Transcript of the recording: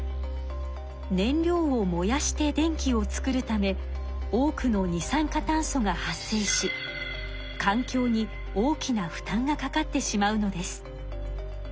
燃料を燃やして電気を作るため多くの二酸化炭素が発生し環境に大きな負担がかかってしまうのです。